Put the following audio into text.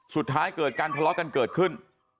สุดท้ายเกิดการทะเลาะกันเกิดขึ้น